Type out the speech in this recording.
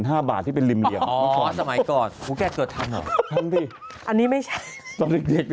ธรรมดิตอนเด็กนี่คุณยายเป็นโรงเรียนคุณยายกล้านี่ไม่ใช่โบราณแล้ว